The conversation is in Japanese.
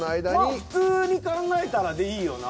まあ普通に考えたらでいいよな？